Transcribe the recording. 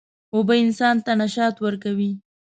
اوبه انسان ته نشاط ورکوي.